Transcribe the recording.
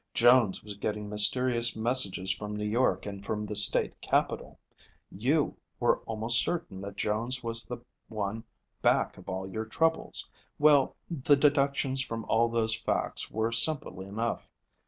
Jones was getting mysterious messages from New York and from the state capital. You were almost certain that Jones was the one back of all your troubles. Well, the deductions from all those facts were simple enough.